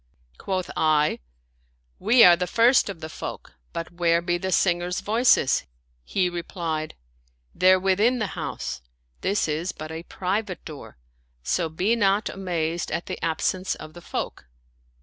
Quoth I, " We are the first of the folk ; but where be the singers' voices ?" He replied, " They're within the house : this is but a private door ; so be not amazed at the absence of the folk."